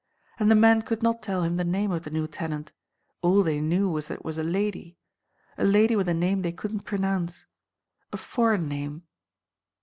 And the men could not tell him the name of the new tenant. All they knew was that it was a lady. A lady with a name they could n't pronounce. A foreign name.